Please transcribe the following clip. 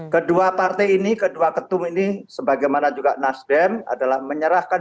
kedua partai ini kedua ketum ini sebagaimana juga nasdem adalah menyerahkan